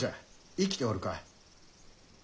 生きておるか？